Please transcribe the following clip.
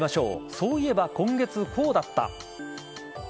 そういえば今月こうだった。